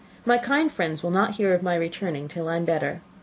My kind friends will not hear of my returning home till I am better.